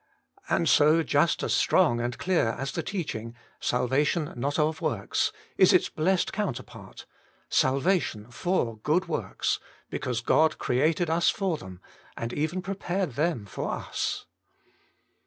And so just as strong and clear as the teaching, salvation not of zvorks, is its blessed counterpart, salvation for good zvorks, because God created us for them, and even prepared them for us.